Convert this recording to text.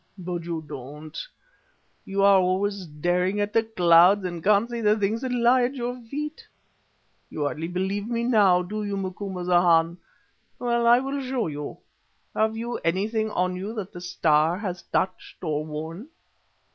But you don't! You are always staring at the clouds and can't see the things that lie at your feet. You hardly believe me now, do you, Macumazahn? Well, I will show you. Have you anything on you that the Star has touched or worn?"